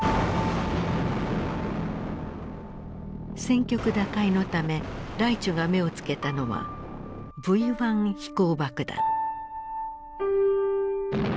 戦局打開のためライチュが目を付けたのはＶ１飛行爆弾。